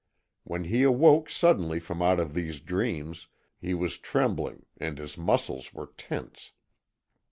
When he awoke suddenly from out of these dreams he was trembling and his muscles were tense.